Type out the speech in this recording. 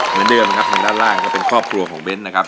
เหมือนเดิมนะครับทางด้านล่างก็เป็นครอบครัวของเบ้นนะครับ